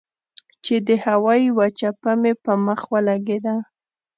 چې د هوا يوه چپه مې پۀ مخ ولګېده